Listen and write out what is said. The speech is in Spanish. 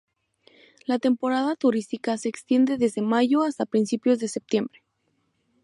La temporada turística se extiende desde mayo hasta principios de septiembre.